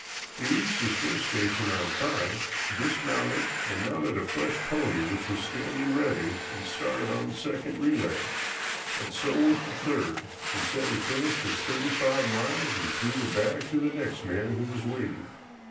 He reached his first station on time, dismounted, and mounted a fresh pony which was standing ready, and started on the second relay. And so with the third, until he finished his thirty five miles and threw the bag to the next man, who was waiting.